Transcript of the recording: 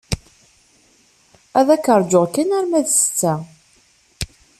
Ad k-ṛjuɣ kan arma d ssetta.